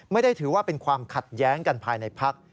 ไม่ได้ถือว่าเป็นความขัดแย้งกันภายในพัก